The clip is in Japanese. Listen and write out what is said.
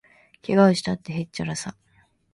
けがをしたって、へっちゃらさ